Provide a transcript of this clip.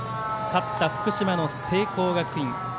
勝った福島の聖光学院。